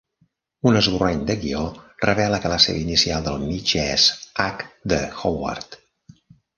Un esborrany de guió revela que la seva inicial del mig és "H" de "Howard".